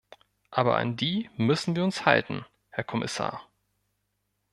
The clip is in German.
Aber an die müssen wir uns halten, Herr Kommissar.